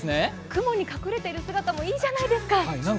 雲に隠れている姿もいいじゃないですか。